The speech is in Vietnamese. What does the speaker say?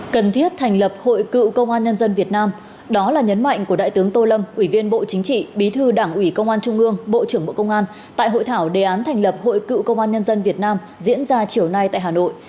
cần thiết thành lập hội cựu công an nhân dân việt nam đó là nhấn mạnh của đại tướng tô lâm ủy viên bộ chính trị bí thư đảng ủy công an trung ương bộ trưởng bộ công an tại hội thảo đề án thành lập hội cựu công an nhân dân việt nam diễn ra chiều nay tại hà nội